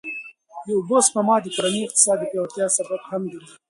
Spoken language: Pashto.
د اوبو سپما د کورني اقتصاد د پیاوړتیا سبب هم ګرځي.